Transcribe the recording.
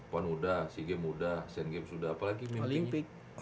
poin udah si game udah sen games udah apalagi mimpinya